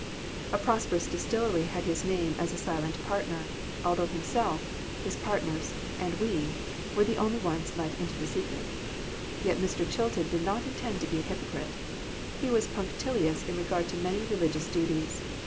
A prosperous distillery had his name as a silent partner, although himself, his partners, and we, were the only ones let into the secret. Yet Mr. Chilton did not intend to be a hypocrite. He was punctilious in regard to many religious duties.